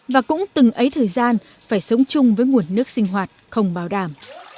và cũng từng ấy thời gian phải sống chung với nguồn nước sinh hoạt không bảo đảm